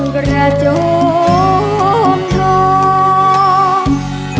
กระจมหล่อ